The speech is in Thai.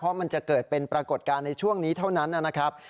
เพราะมันจะเกิดเป็นปรากฏการณ์ในช่วงนี้เท่านั้นนะครับ